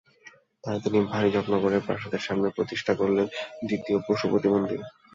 তাই তিনি ভারি যত্ন করে প্রাসাদের সামনেই প্রতিষ্ঠা করলেন, দ্বিতীয় পশুপতি মন্দির।